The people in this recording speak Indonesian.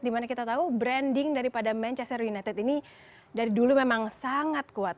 dimana kita tahu branding daripada manchester united ini dari dulu memang sangat kuat